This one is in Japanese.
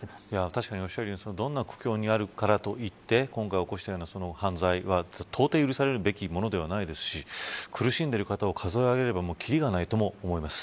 確かに、おっしゃるようにどんな苦境にあるからといって今回起こしたような犯罪は到底許されるべきものではないですし苦しんでいる方を数え上げればきりがないとも思います。